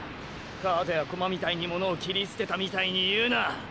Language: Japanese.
カードや駒みたいに物を切り捨てたみたいに言うな！！